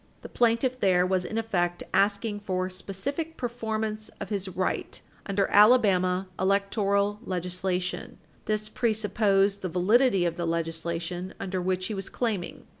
The plaintiff there was, in effect, asking for specific performance of his right under Page 307 U. S. 273 Alabama electoral legislation. This presupposed the validity of the legislation under which he was claiming.